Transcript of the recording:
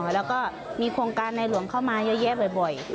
แล้วก็มีโครงการในหลวงเข้ามาเยอะแยะบ่อย